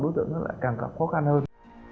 đối tượng nó lại càng khó khăn hơn